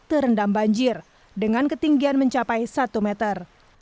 terendam banjir dengan ketinggian mencapai satu meter